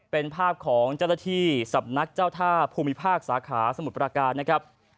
เป็นภาพของเจ้าหน้าที่สำนักเจ้าท่าภูมิภาคสาขาสมุทรประการนะครับ